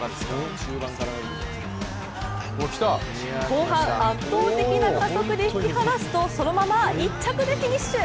後半、圧倒的な加速で引き離すとそのまま１着でフィニッシュ。